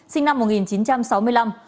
sinh năm một nghìn chín trăm sáu mươi năm